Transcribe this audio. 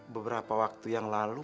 beberapa waktu yang lalu